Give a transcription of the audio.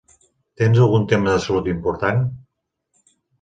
Tens algun tema de salut important?